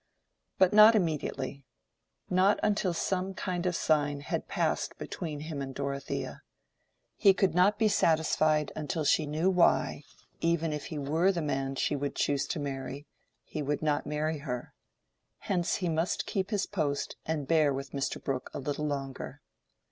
But not immediately: not until some kind of sign had passed between him and Dorothea. He could not be satisfied until she knew why, even if he were the man she would choose to marry, he would not marry her. Hence he must keep his post and bear with Mr. Brooke a little longer.